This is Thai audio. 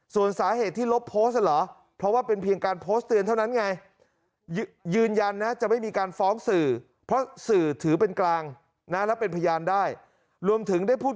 ส่วนสาเหตุที่ลบโพสต์เหรอเพราะว่าเป็นเพียงการโพสต์เตือนเท่านั้นไง